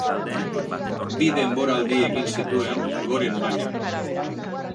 Bi denboraldi egin zituen goren mailan.